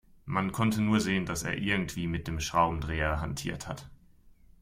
Man konnte nur sehen, dass er irgendwie mit dem Schraubendreher hantiert hat.